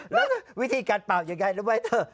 แล้ววิธีการป่าวอย่างเงี้ย